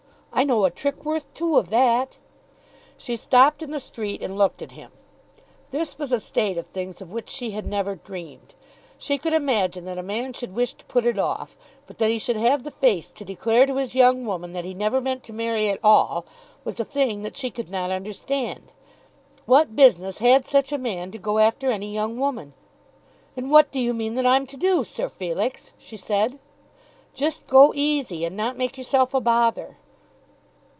I know a trick worth two of that." She stopped in the street and looked at him. This was a state of things of which she had never dreamed. She could imagine that a man should wish to put it off, but that he should have the face to declare to his young woman that he never meant to marry at all, was a thing that she could not understand. What business had such a man to go after any young woman? "And what do you mean that I'm to do, Sir Felix?" she said. "Just go easy, and not make yourself a bother."